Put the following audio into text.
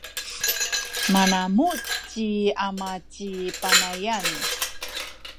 manamuh ci ama ci Panayan.